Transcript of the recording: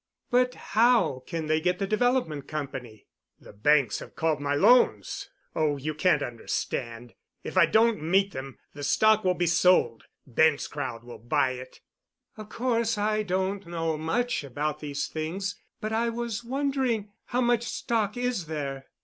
"But how can they get the Development Company?" "The banks have called my loans—oh, you can't understand. If I don't meet them, the stock will be sold. Bent's crowd will buy it." "Of course I don't know much about these things, but I was wondering—how much stock is there?"